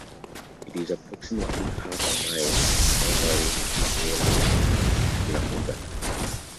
It is approximately half a mile from the boundary with the Vale of Glamorgan.